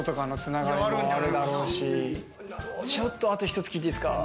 ちょっとあと１つ聞いていいですか？